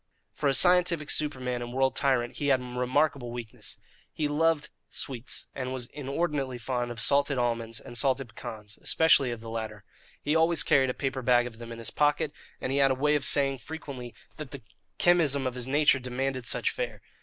For a scientific superman and world tyrant, he had remarkable weaknesses. He loved sweets, and was inordinately fond of salted almonds and salted pecans, especially of the latter. He always carried a paper bag of them in his pocket, and he had a way of saying frequently that the chemism of his nature demanded such fare.